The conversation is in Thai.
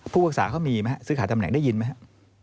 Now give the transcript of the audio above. ผู้พักษาเขามีไหมฮะซื้อขาดตำแหน่งได้ยินไหมฮะ